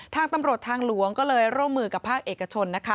ทางตำรวจทางหลวงก็เลยร่วมมือกับภาคเอกชนนะคะ